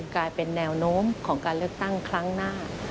กลายเป็นแนวโน้มของการเลือกตั้งครั้งหน้า